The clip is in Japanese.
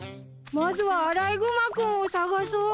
まずはアライグマ君を捜そう。